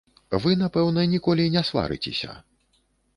Вы, напэўна, ніколі не сварыцеся.